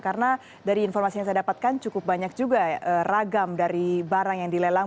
karena dari informasi yang saya dapatkan cukup banyak juga ragam dari barang yang dilelang